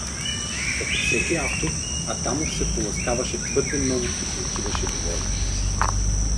Като всеки автор, Адамов се поласкаваше твърде много и си отиваше доволен.